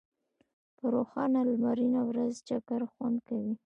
په روښانه لمرینه ورځ چکر خوند کوي.